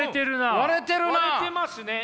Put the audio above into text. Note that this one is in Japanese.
割れてますね！